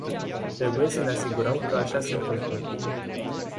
Trebuie să ne asigurăm că așa se întâmplă.